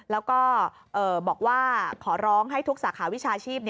แล้วก็บอกว่าขอร้องให้ทุกสาขาวิชาชีพ